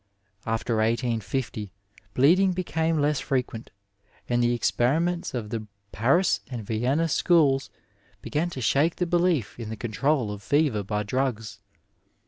After 1850 bleeding became less frequent, and the experimoitB of the Paris and Vienna schools began to shake the belief in the control of fever by drugs.